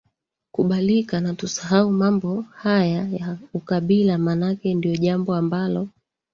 kubalika na tusahau mambo haya ya ukabila maanake ndio jambo ambalo